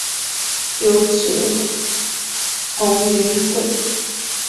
有子侯云桂。